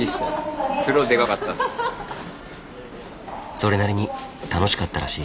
それなりに楽しかったらしい。